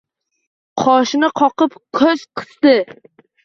Qoshini qoqib, koʼz qisdi.